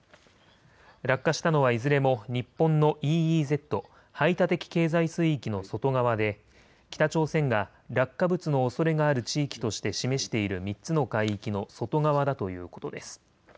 落下したのはいずれも日本のＥＥＺ・排他的経済水域の外側で北朝鮮が落下物のおそれがある地域として示している３つの海域の外側だということです。